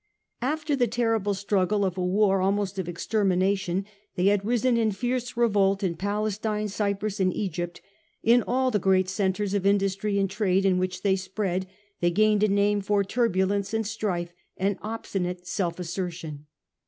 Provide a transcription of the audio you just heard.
After the terrible struggle of a war almost of extermination they had risen in fierce revolt in Palestine, Cyprus, and Egypt ; in all the great centres of industry and trade in which they spread, they gained a name for turbulence and strife and obstinate self assertion.